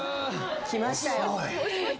きましたよ。